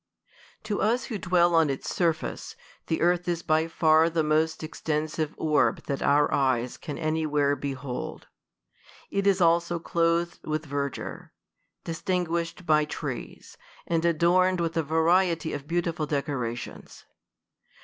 TO us who dwell on its surface, the earth is by far the most extensive orb that our eyes can any where behold. It is also clothed with verdure ; dis tinguished by trees; and adorned v/ith a variety of beautiful decorations.